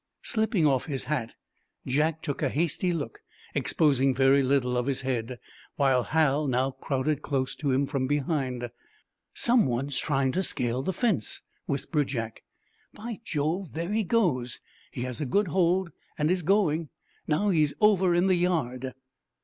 Slipping off his hat, Jack took a hasty look, exposing very little of his head, while Hal now crowded close to him from behind. "Someone trying to scale the fence," whispered Jack. "By Jove, there he goes. He has a good hold, and is going now he's over in the yard."